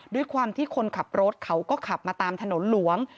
ด้วยความที่คนขับรถเขาก็ขับมาตามถนนหลวง